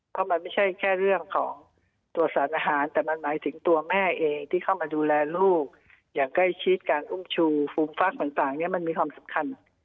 เพราะมันไม่ใช่แค่เรื่องของตัวสารอาหารแต่มันหมายถึงตัวแม่เองที่เข้ามาดูแลลูกอย่างใกล้ชิดการอุ้มชูฟูมฟักต่างเนี่ยมันมีความสำคัญ